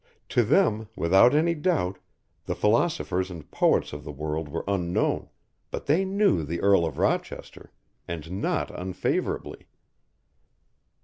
To them, without any doubt, the philosophers and poets of the world were unknown, but they knew the Earl of Rochester, and not unfavourably.